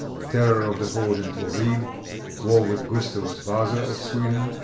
Terror of the Horde in Tauride. War with Gustavus Vasa of Sweden.